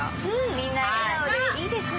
みんな笑顔でいいですね。